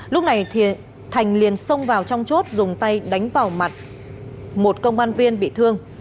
lúc này thì thành liền xông vào trong chốt dùng tay đánh vào mặt một công an viên bị thương